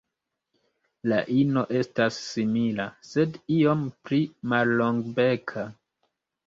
La ino estas simila, sed iom pli mallongbeka.